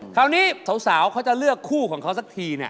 คราวนี้สาวเขาจะเลือกคู่ของเขาสักทีเนี่ย